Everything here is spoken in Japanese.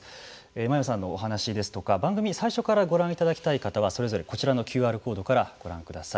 真山さんのお話ですとか番組最初からご覧いただきたい方はそれぞれこちらのＱＲコードからご覧ください。